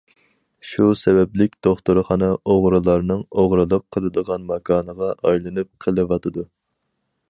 شۇ سەۋەبلىك دوختۇرخانا ئوغرىلارنىڭ ئوغرىلىق قىلىدىغان ماكانىغا ئايلىنىپ قېلىۋاتىدۇ.